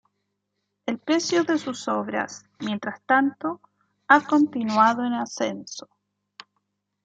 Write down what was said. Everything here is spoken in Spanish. El precio de sus obras, mientras tanto, ha continuado en ascenso.